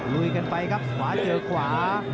ลุยกันไปครับขวาเจอขวา